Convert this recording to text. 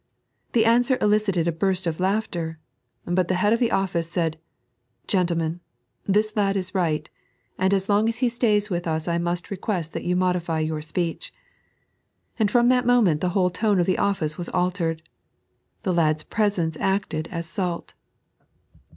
The answer elidted a burst of laughter, but the head of the office said :" Gentlemen, this lad is right, and as long as he stays with as I must request that you modify your speech." And from that moment the whole tone of the office was altered. The lad's presence acted as salt.